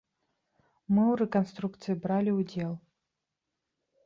Мы ў рэканструкцыі бралі ўдзел.